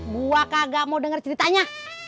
gue kagak mau denger ceritanya